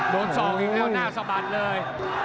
โดนส่องอีกแล้วหน้าสมันเลย